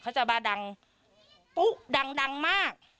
เขาจะมาดังปุ๊ดังมาก